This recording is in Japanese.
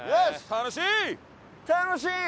楽しい！